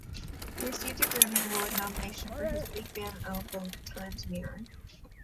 He received a Grammy Award nomination for his big band album, "Time's Mirror".